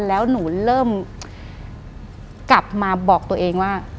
แล้วหนูเริ่มกลับมาบอกตัวเองว่า